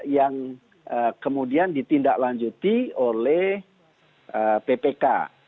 yang kemudian ditindaklanjuti oleh ppk